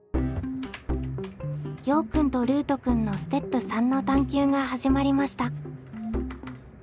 ようくんとルートくんのステップ３の探究が始まりました。